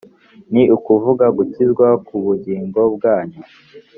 ni ukuvuga gukizwa kubugingo bwanyu